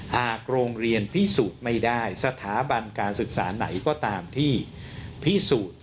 หากโรงเรียนพิสูจน์ไม่ได้สถาบันการศึกษาไหนก็ตามที่พิสูจน์